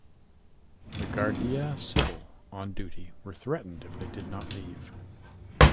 The "Guardia Civil" on duty were threatened if they did not leave.